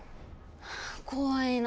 怖いな。